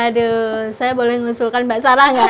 aduh saya boleh ngusulkan mbak sarah gak